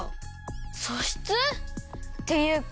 そしつ？っていうか